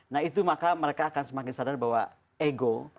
nah itu maka mereka akan semakin sadar bahwa ego